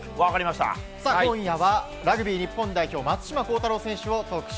今夜はラグビー日本代表松島幸太朗選手を特集。